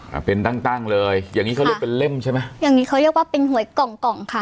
อ่าเป็นตั้งตั้งเลยอย่างงี้เขาเรียกเป็นเล่มใช่ไหมอย่างงี้เขาเรียกว่าเป็นหวยกล่องกล่องค่ะ